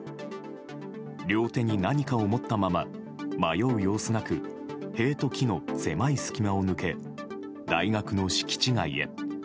両手に何かを持ったまま迷う様子なく塀と木の狭い隙間を抜け大学の敷地内へ。